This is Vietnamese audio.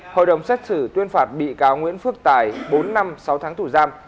hội đồng xét xử tuyên phạt bị cáo nguyễn phước tài bốn năm sáu tháng tù giam